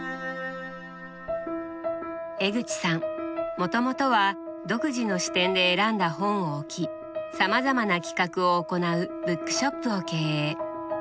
もともとは独自の視点で選んだ本を置きさまざまな企画を行うブックショップを経営。